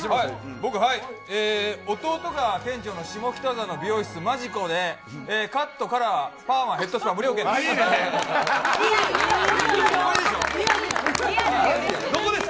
僕、弟が店長の下北沢の美容室、マジコでカット、カラー、パーマ、ヘッドスパ無料券です。